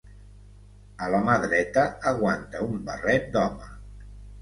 A la mà dreta aguanta un barret d'home.